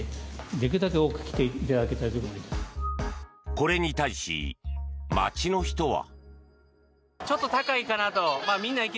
これに対し、街の人は。